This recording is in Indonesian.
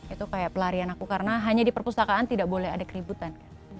itu kayak pelarian aku karena hanya di perpustakaan tidak boleh ada keributan